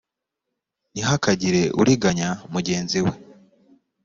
ntihakagire uriganya mugenzi we